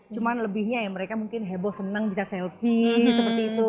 cuma lebihnya ya mereka mungkin heboh senang bisa selfie seperti itu